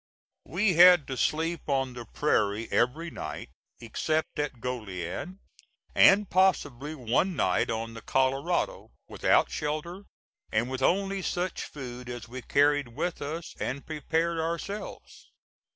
We had to sleep on the prairie every night, except at Goliad, and possibly one night on the Colorado, without shelter and with only such food as we carried with us, and prepared ourselves.